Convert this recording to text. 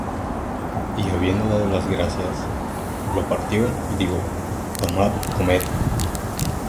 Y habiendo dado gracias, lo partió, y dijo: Tomad, comed: